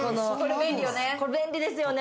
これ便利ですよね。